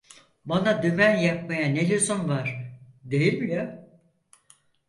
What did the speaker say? Bana dümen yapmaya ne lüzum var, değil mi ya?